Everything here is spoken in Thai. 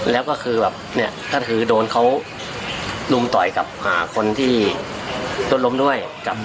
แล้วก็คือแบบเนี่ยก็คือโดนเขารุมต่อยกับหาคนที่โดนล้มด้วย